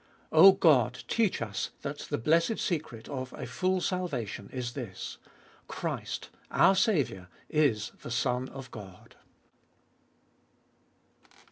O God ! teach us that the blessed secret of a full salvation is this — Christ, our Saviour, is the Son of God.